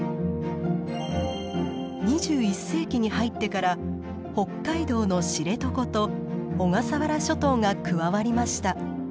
２１世紀に入ってから北海道の知床と小笠原諸島が加わりました。